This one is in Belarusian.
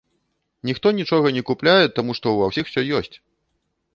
Ніхто нічога не купляе, таму што ва ўсіх усё ёсць.